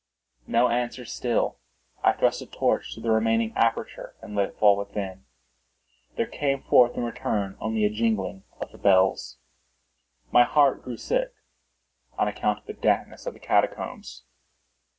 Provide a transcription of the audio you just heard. No answer still. I thrust a torch through the remaining aperture and let it fall within. There came forth in return only a jingling of the bells. My heart grew sick—on account of the dampness of the catacombs.